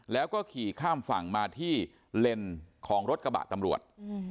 แล้วก็ขี่ข้ามฝั่งมาที่เลนของรถกระบะตำรวจ